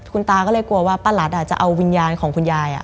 คุณตาก็เลยกลัวว่าป้ารัสอาจจะเอาวิญญาณของคุณยาย